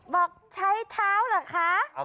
บอกใช้เท้าเหรอคะ